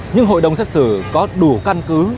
nhưng hội đồng xét xử có đủ căn cứ